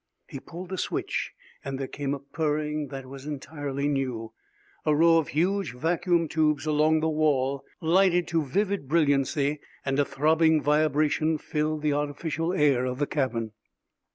He pulled a switch and there came a purring that was entirely new. A row of huge vacuum tubes along the wall lighted to vivid brilliancy and a throbbing vibration filled the artificial air of the cabin.